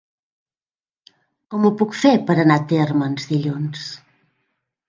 Com ho puc fer per anar a Térmens dilluns?